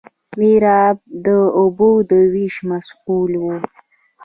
میرآب د اوبو د ویش مسوول وي.